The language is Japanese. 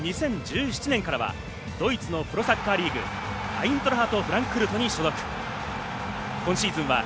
そして２０１７年からはドイツのプロサッカーリーグ、アイントラハト・フランクフルトに所属。